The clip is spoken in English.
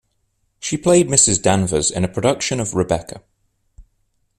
She played Mrs Danvers in a production of "Rebecca".